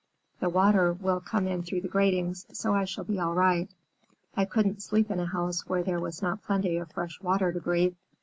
The water will come in through the gratings, so I shall be all right. I couldn't sleep in a house where there was not plenty of fresh water to breathe."